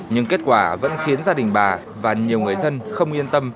nhưng kết quả vẫn khiến gia đình bà và nhiều người dân không yên tâm